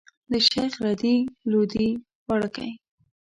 د شيخ رضی لودي پاړکی.